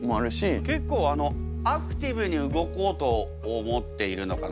結構あのアクティブに動こうと思っているのかな？